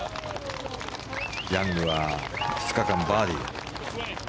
ヤングは２日間バーディー。